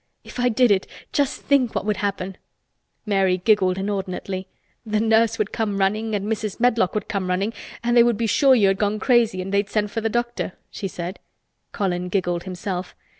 If I did it, just think what would happen!" Mary giggled inordinately. "The nurse would come running and Mrs. Medlock would come running and they would be sure you had gone crazy and they'd send for the doctor," she said. Colin giggled himself.